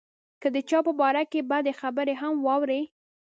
که د چا په باره کې بدې خبرې هم واوري.